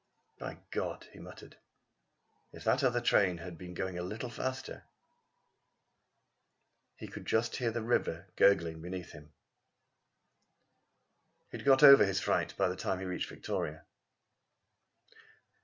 "By God!" he muttered. "If that other train had been going a little faster " He could just hear the river gurgling beneath him. He had got over his fright by the time he reached Victoria.